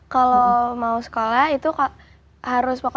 kalau mau sekolah itu harus fokus